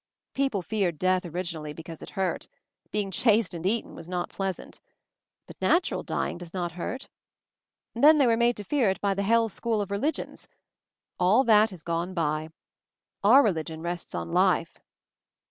"People feared death, originally, because it hurt; being chased and eaten was not pleasant. But natural dying does not hurt. Then they were made to fear it by the hell school of religions. All that is gone by. Our religion rests on life."